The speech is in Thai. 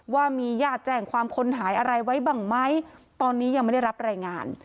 ว่ามีญาติแจ้งความคนหายอะไรไว้บ้างไหมตอนนี้ยังไม่ได้รับรายงาน